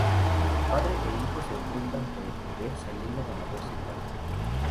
Padre e hijo se enfrentan por el poder, saliendo ganador Silvano.